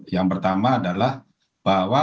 yang pertama adalah bahwa